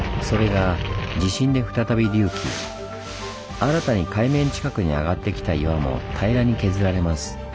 新たに海面近くに上がってきた岩も平らに削られます。